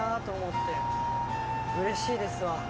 うれしいですわ。